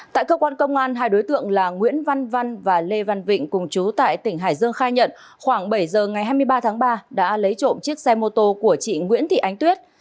tại cơ quan công an hai đối tượng là nguyễn văn văn và lê văn vịnh cùng chú tại tỉnh hải dương khai nhận khoảng bảy giờ ngày hai mươi ba tháng ba đã lấy trộm chiếc xe mô tô của chị nguyễn thị ánh tuyết